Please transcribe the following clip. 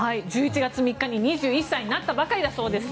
１１月３日に２１歳になったばかりだそうです。